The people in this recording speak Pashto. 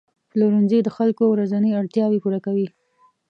پلورنځي د خلکو ورځني اړتیاوې پوره کوي.